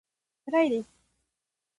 つらいです